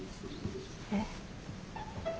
えっ。